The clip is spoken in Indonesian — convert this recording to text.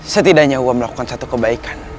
setidaknya gua melakukan satu kebaikan